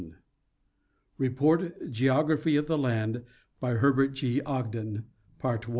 31 REPORT—GEOGRAPHY OF THE LAND. By HERBERT G. OGDEN.